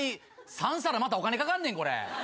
３皿またお金かかんねんこれ。